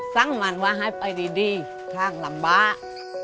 สั่งมันว่าให้ไปดีช่างลำบาก